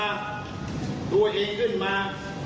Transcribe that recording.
ตัวเองขึ้นมา